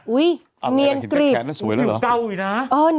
อุ้ยเนียนกรีบหนูเก่าอีกนะ